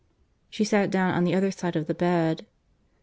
She sat down on the other side of the bed.